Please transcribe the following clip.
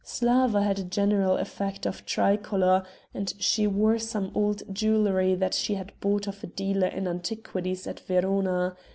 Slawa had a general effect of tricolor, and she wore some old jewelry that she had bought of a dealer in antiquities at Verona.